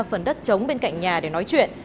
phần đất trống bên cạnh nhà để nói chuyện